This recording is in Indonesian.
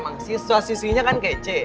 belum lagi emang siswa siswinya kan kece